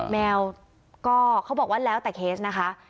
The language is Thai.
แมวก็เขาบอกว่าแล้วแต่เคสนะคะ